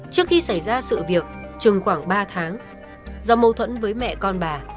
trước khi xảy ra sự việc trừng khoảng ba tháng do mâu thuẫn với mẹ con bà